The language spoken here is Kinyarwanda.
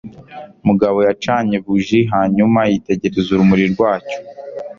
Mugabo yacanye buji hanyuma yitegereza urumuri rwacyo.